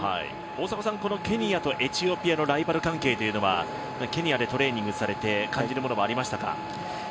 大迫さん、ケニアとエチオピアのライバル関係というのはケニアでトレーニングされて感じるものはありましたか？